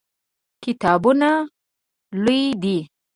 کتابتون لوی دی؟